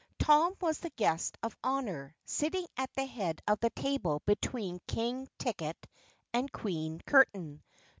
Tom was the guest of honor, sitting at the head of the table between King Ticket and Queen Curtain.